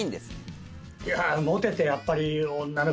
いやモテてやっぱり。